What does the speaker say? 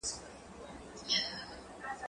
زه به اوږده موده سیر کړی وم؟!